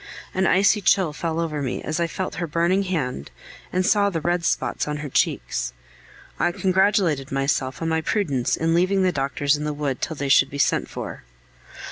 An icy chill fell over me as I felt her burning hand and saw the red spots on her cheeks. I congratulated myself on my prudence in leaving the doctors in the wood till they should be sent for.